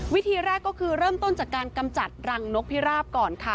วิธีแรกก็คือเริ่มต้นจากการกำจัดรังนกพิราบก่อนค่ะ